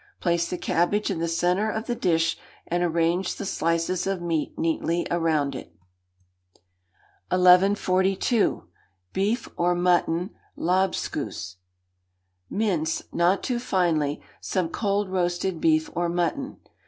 Place the cabbage in the centre of the dish, and arrange the slices of meat neatly around it. 1142. Beef or Mutton Lobscous. Mince, not too finely, some cold roasted beef or mutton.